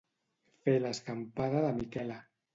Fer l'escampada de Miquela.